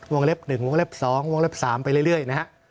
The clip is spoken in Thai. วงเล็บ๑วงเล็บ๒วงเล็บ๓ไปเรื่อยนะฮะ